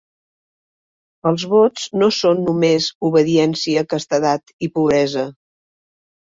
Els vots no són només obediència, castedat i pobresa.